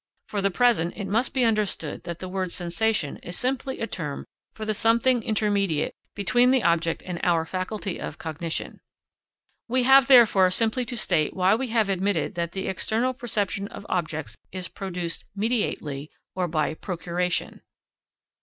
For the present it must be understood that the word sensation is simply a term for the something intermediate between the object and our faculty of cognition. We have, therefore, simply to state why we have admitted that the external perception of objects is produced mediately or by procuration.